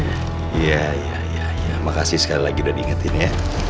iya iya makasih sekali lagi udah diingetin ya